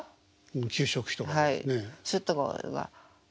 給食費とかねえ。